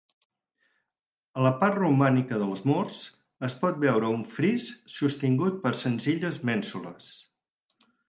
A la part romànica dels murs es pot veure un fris sostingut per senzilles mènsules.